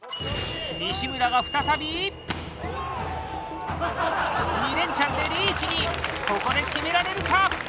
西村が再び２連チャンでリーチにここで決められるか？